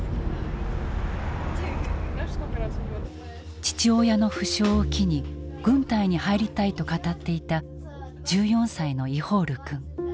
父親の負傷を機に軍隊に入りたいと語っていた１４歳のイホール君。